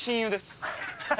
ハハハハ。